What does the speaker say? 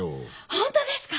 本当ですか？